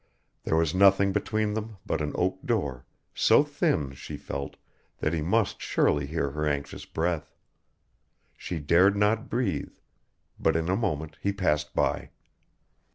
There was nothing between them but an oak door, so thin, she felt, that he must surely hear her anxious breath. She dared not breathe, but in a moment he passed by.